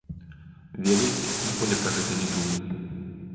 Ведаеце, ніколі пра гэта не думаў.